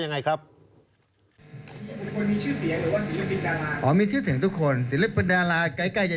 ลองฟังสีงท่านดูหน้าท่านผู้ชม